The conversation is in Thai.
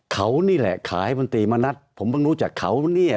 เขานี่แหละขายบนตรีมณัฐผมเพิ่งรู้จักเขาเนี่ย